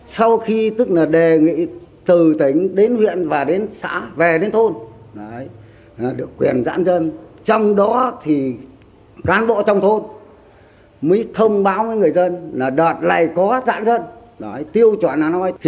sau khi tức là đề nghị từ tỉnh đến huyện và đến xã về đến thôn được quyền giãn dân trong đó thì cán bộ trong thôn mới thông báo với người dân là đợt này có giãn dân